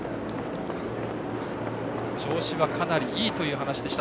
調子はかなりいいという話でした。